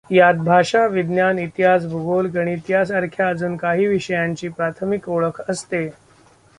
यात भाषा, विज्ञान, इतिहास, भूगोल, गणित, यासांरख्या अजून काही विषयांची प्राथमिक ओळख असते.